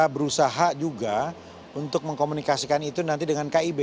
berusaha juga untuk mengkomunikasikan itu nanti dengan kib